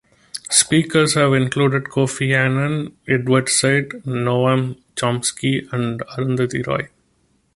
Speakers have included Kofi Annan, Edward Said, Noam Chomsky, and Arundhati Roy.